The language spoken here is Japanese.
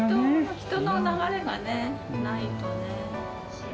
人の流れがね、ないとね。